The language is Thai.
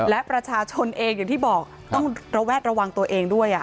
และประชาชนเองอย่างที่บอกต้องระแวดระวังตัวเองด้วย